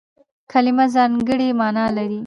کلیمه ځانګړې مانا لري.